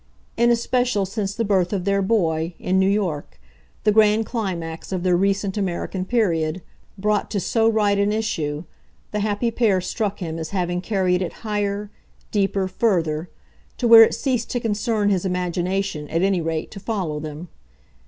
In especial since the birth of their boy, in New York the grand climax of their recent American period, brought to so right an issue the happy pair struck him as having carried it higher, deeper, further; to where it ceased to concern his imagination, at any rate, to follow them.